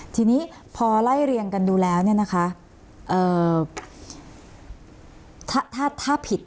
ที่นี้พอไล่เรียงกันดูแล้วเนี่ยนะคะ